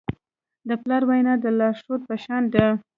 د پلار وینا د لارښود په شان ده.